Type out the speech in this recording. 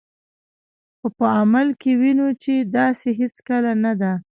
خو په عمل کې وینو چې داسې هیڅکله نه ده.